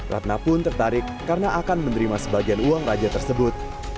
ratna pun tertarik karena akan menerima sebagian uang raja tersebut